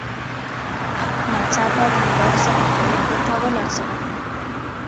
ناڅاپه د موبایل زنګ ټوله کوټه ولړزوله.